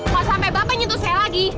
kok sampai bapak nyentuh saya lagi